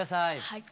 はい。